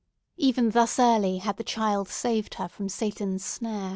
Even thus early had the child saved her from Satan's snare.